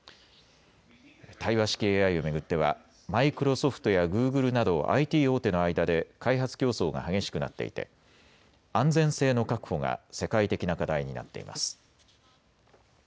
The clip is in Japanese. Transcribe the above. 対話式ＡＩを巡ってはマイクロソフトやグーグルなどＩＴ大手の間で開発競争が激しくなっていて安全性の確保が世界的な課題になっています。